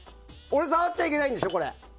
俺、触っちゃいけないんでしょ？